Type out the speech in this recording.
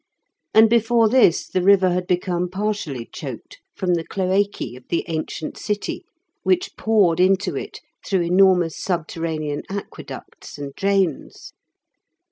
And before this the river had become partially choked from the cloacæ of the ancient city which poured into it through enormous subterranean aqueducts and drains.